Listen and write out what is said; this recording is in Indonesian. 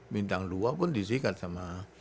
bintang dua pun disikat sama